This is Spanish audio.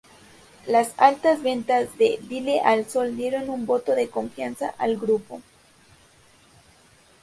Las altas ventas de Dile al sol dieron un voto de confianza al grupo.